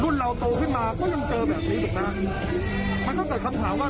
เราโตขึ้นมาก็ยังเจอแบบนี้อีกนะมันก็เกิดคำถามว่า